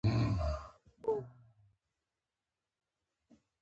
ستاسو په اند خلکو ولې له اسلام هرکلی وکړ؟